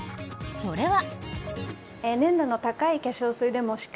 それは。